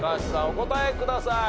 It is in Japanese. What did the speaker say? お答えください。